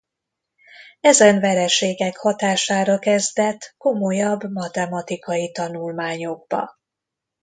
Ezen vereségek hatására kezdett komolyabb matematikai tanulmányokba.